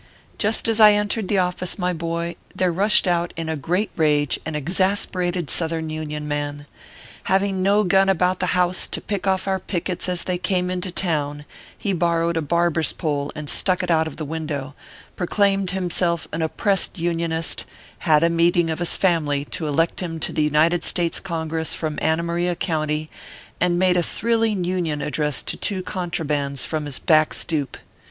Just as I entered the office, my boy, there rushed out in great rage an exasperated southern Union man. Having no gun about the house to pick off our pickets as they came into town, he borrowed a barber s pole and stuck it out of the window, pro claimed himself an oppressed Unionist, had a meet ing of his family to elect him to the United States Congress from Anna Maria County, and made a thrilling Union address to two contrabands from his ORPHEUS C. KERR PAPERS. 353 back stoop.